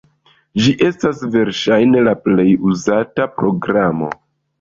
Ĝi estas verŝajne la plej uzata programo.